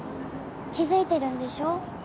気付いてるんでしょ？